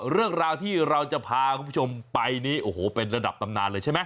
เรื่องราวที่เราจะพาคุณผู้ชมไปนี้โอ้โหเป็นระดับตำนานเลยใช่ไหม